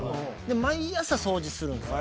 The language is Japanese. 毎朝掃除するんですよ